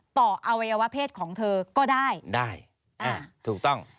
อวัยวะเพศของเธอก็ได้ได้อ่าถูกต้อง